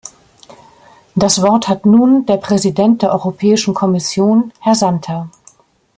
Das Wort hat nun der Präsident der Europäischen Kommission, Herr Santer.